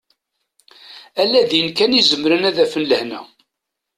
Ala din kan i zemren ad afen lehna.